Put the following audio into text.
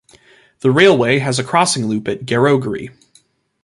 The railway has a crossing loop at Gerogery.